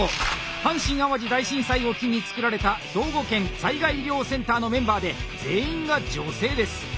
阪神・淡路大震災を機に作られた兵庫県災害医療センターのメンバーで全員が女性です。